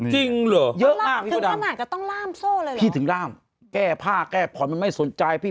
จริงหรอเยอะมากพี่โปรดามพี่ถึงล่ามแก้ผ้าแก้ผ่อนไม่สนใจพี่